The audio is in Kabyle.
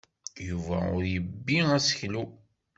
Yuba ur yebbi aseklu.